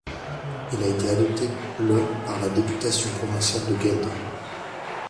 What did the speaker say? Il a été adopté le par la députation provinciale de Gueldre.